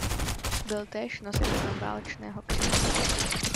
Byl též nositelem válečného kříže.